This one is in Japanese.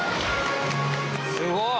すごい！